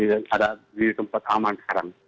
yang ada di tempat aman sekarang